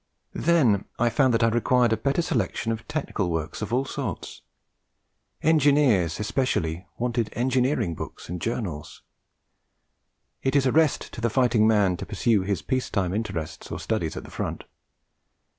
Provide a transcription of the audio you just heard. Then I found that I required a better selection of technical works of all sorts. Engineers, especially, want engineering books and journals; it is a rest to the fighting man to pursue his peace time interests or studies at the front.